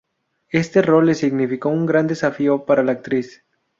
Este rol le significó un gran desafío para la actriz.